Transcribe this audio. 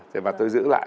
rồi tôi giữ lại